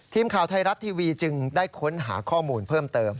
ทีมข่าวไทยรัฐทีวีจึงได้ค้นหาข้อมูลเพิ่มเติม